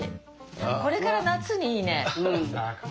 これから夏にいいね。